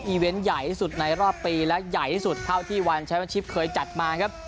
เวนต์ใหญ่ที่สุดในรอบปีและใหญ่ที่สุดเท่าที่วันแชมป์ชิปเคยจัดมาครับ